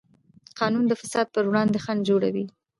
قانون د فساد پر وړاندې خنډ جوړوي.